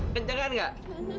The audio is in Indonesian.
kenceng kan gak